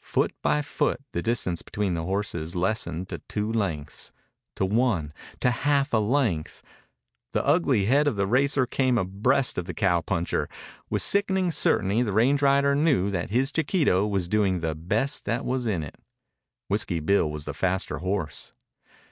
Foot by foot the distance between the horses lessened to two lengths, to one, to half a length. The ugly head of the racer came abreast of the cowpuncher. With sickening certainty the range rider knew that his Chiquito was doing the best that was in it. Whiskey Bill was a faster horse.